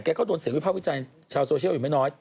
ก็โดนเสียงวิภาควิจารณ์ชาวโซเชียลอยู่ไม่น้อย